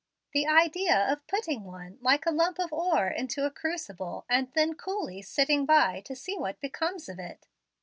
The idea of putting one, like a lump of ore, into a crucible, and then coolly sitting by to see what becomes of it!